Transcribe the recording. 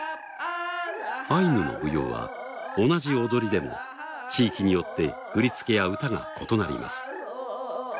アイヌの舞踊は同じ踊りでも地域によって振り付けや歌が異なります。